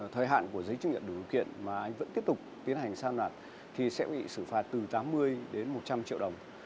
thời hạn của giấy chứng nhận đủ điều kiện mà anh vẫn tiếp tục tiến hành san nạt thì sẽ bị xử phạt từ tám mươi đến một trăm linh triệu đồng